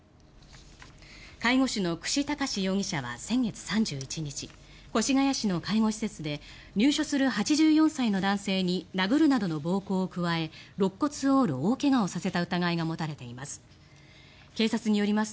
介護士の久志隆史容疑者は先月３１日越谷市の介護施設で入所する８４歳の男性に殴るなどの暴行を加えろっ骨を折る大怪我をさせた疑いが持たれています。